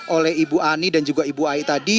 oleh ibu ani dan juga ibu ai tadi